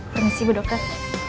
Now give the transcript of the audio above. permisi bu dokter